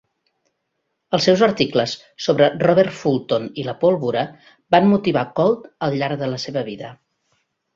Els seus articles sobre Robert Fulton i la pólvora van motivar Colt al llarg de la seva vida.